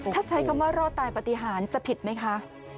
ถ้าใช้คำว่ารอดตายปฏิหารจะผิดไหมคะ